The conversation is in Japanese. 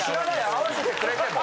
合わせてくれても。